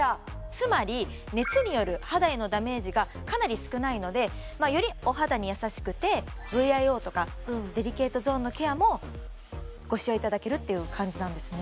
つまり熱による肌へのダメージがかなり少ないのでよりお肌に優しくてＶＩＯとかデリケートゾーンのケアもご使用いただけるっていう感じなんですね